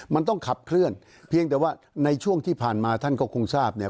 มันต้องขับเคลื่อนเพียงแต่ว่าในช่วงที่ผ่านมาท่านก็คงทราบเนี่ย